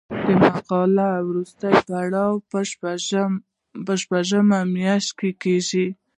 د مقالې وروستۍ پریکړه په شپږو میاشتو کې کیږي.